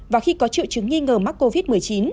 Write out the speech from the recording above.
và khi có triệu chứng nghi ngờ mắc covid một mươi chín